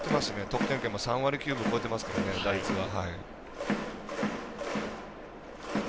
得点圏も３割９分超えてますから打率が。